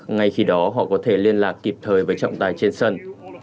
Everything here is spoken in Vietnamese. ngay khi đó họ có thể liên lạc kịp thời với trọng tài trên sân